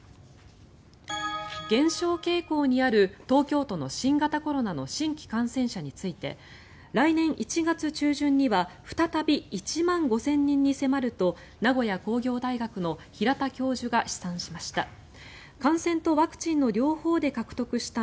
減少傾向にある東京都の新型コロナの新規感染者について来年１月中旬には再び１万５０００人に迫ると名古屋工業大学の平田教授が試算しました。